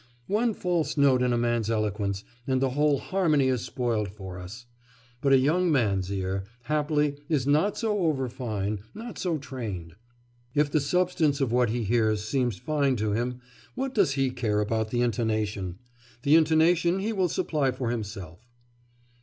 One false note in a man's eloquence, and the whole harmony is spoiled for us; but a young man's ear, happily, is not so over fine, not so trained. If the substance of what he hears seems fine to him, what does he care about the intonation! The intonation he will supply for himself!